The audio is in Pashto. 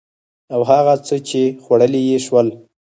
او هغه څه چې خوړلي يې شول